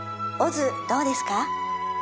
オズどうですか？